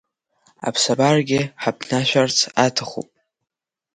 Аԥсабарагьы ҳаԥнашәарц аҭахуп.